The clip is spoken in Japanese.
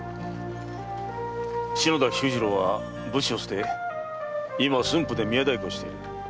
篠田菊次郎は武士を捨て今は駿府で宮大工をしている。